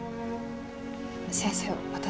先生私。